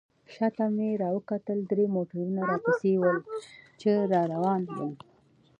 شاته مې راوکتل درې موټرونه راپسې ول، چې را روان ول.